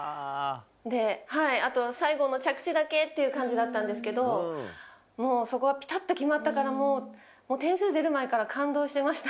ではいあと最後の着地だけっていう感じだったんですけどもうそこはぴたっと決まったからもう点数出る前から感動してました。